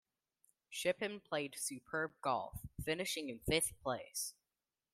Shippen played superb golf, finishing in fifth place.